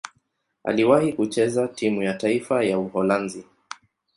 Aliwahi kucheza timu ya taifa ya Uholanzi.